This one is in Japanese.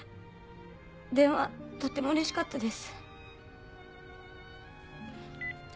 電話とってもうれしかったです。